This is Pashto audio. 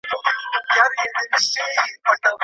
ولي کوښښ کوونکی د لوستي کس په پرتله موخي ترلاسه کوي؟